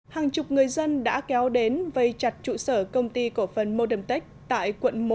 hàng chục người dân đã kéo đến vây chặt trụ sở công ty cổ phần modemtech tại quận một